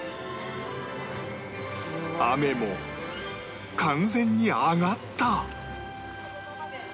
雨も完全に上がった